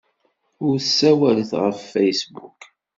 Ur ssawalet ɣef Facebook.